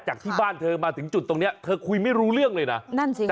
จากที่บ้านเธอมาถึงจุดตรงเนี้ยเธอคุยไม่รู้เรื่องเลยนะนั่นสิค่ะ